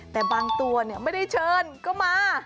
แต่บางตัวไม่ได้เชิญก็มา